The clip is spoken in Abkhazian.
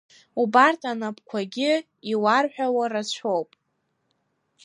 Убарҭ анапқәагьы иуарҳәауа рацәоуп.